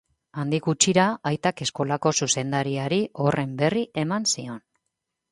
Handik gutxira, aitak eskolako zuzendariari horren berri eman zion.